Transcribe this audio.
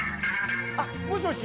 あっもしもし？